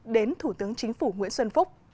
đến thủ tướng chính phủ nguyễn xuân phúc